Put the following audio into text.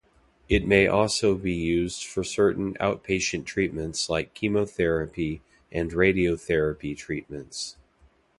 It may also be used for certain outpatient treatments like chemotherapy and radiotherapy treatments.